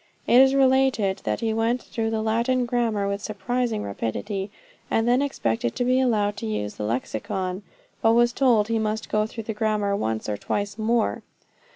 It is related, that he went through the Latin grammar with surprising rapidity, and then expected to be allowed to use the Lexicon, but was told he must go through the grammar once or twice more.